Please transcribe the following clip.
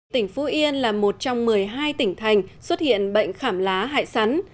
tỉnh phú yên là một trong một mươi hai tỉnh thành xuất hiện bệnh khảm lá hại sắn